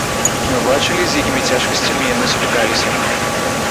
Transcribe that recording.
Мы бачылі, з якімі цяжкасцямі яны сутыкаліся.